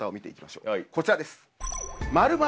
こちらです。